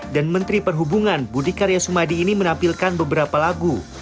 dan menteri perhubungan budi karya sumadi ini menampilkan beberapa lagu